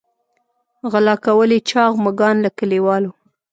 غلا کول یې چاغ مږان له کلیوالو.